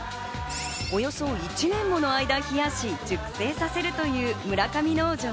およそ１年もの間、冷やし、熟成させるという村上農場。